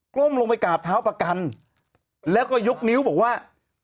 ก้มลงไปกราบเท้าประกันแล้วก็ยกนิ้วบอกว่า